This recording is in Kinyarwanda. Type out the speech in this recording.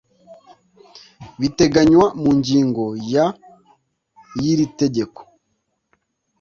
Biteganywa Mu Ngingo Ya Y Iri Tegeko